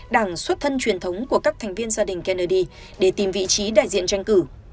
đảng xuất thân truyền thống của các thành viên gia đình kennedy để tìm vị trí đại diện tranh cử